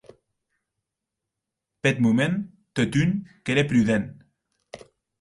Peth moment, totun, qu’ère prudent.